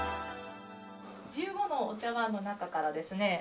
１５のお茶碗の中からですね